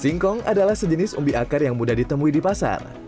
singkong adalah sejenis umbi akar yang mudah ditemui di pasar